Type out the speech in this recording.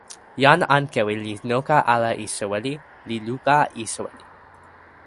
jan Ankewi li noka ala e soweli, li luka e soweli.